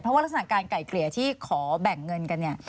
เพราะว่ารักษณะการไก่เกลี่ยที่ขอแบ่งเงินกันเนี่ย